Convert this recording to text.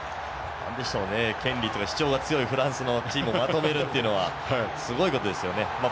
主張が強いフランスのチームをまとめるのはすごいことですね。